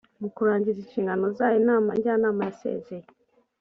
mu kurangiza inshingano zayo inama njyanama yasezeye.